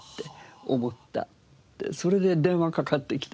それで電話がかかってきた。